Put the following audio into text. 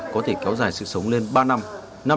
có thể kéo dài sự sống lên ba năm